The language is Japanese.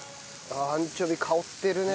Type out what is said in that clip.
アンチョビ香ってるね。